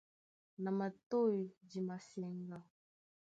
Na matôy di maseŋgá.